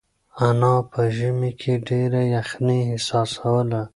انا په ژمي کې ډېره یخنۍ احساسوله.